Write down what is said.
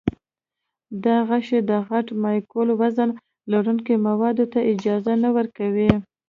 دا غشا د غټ مالیکولي وزن لرونکو موادو ته اجازه نه ورکوي.